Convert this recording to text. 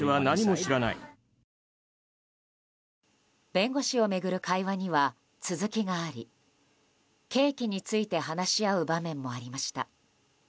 弁護士を巡る会話には続きがあり刑期について話し合う場面もありました。